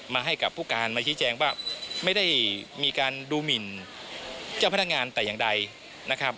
ให้กับผู้การมาชี้แจงว่าไม่ได้มีการดูหมินเจ้าพนักงานแต่อย่างใดนะครับ